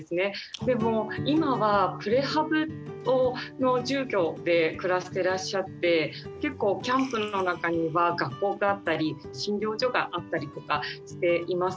でも今はプレハブの住居で暮らしてらっしゃって結構キャンプの中には学校があったり診療所があったりとかしています。